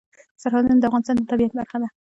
سرحدونه د افغانستان د طبیعت برخه ده.